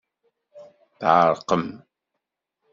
Tɛerqem?